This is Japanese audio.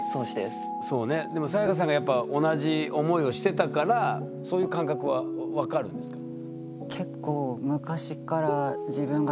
サヤカさんがやっぱ同じ思いをしてたからそういう感覚はわかるんですか？